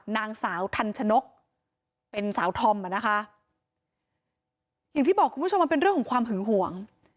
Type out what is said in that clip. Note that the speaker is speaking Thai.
นางสาวทันชนกเป็นสาวธอมอ่ะนะคะอย่างที่บอกคุณผู้ชมมันเป็นเรื่องของความหึงห่วง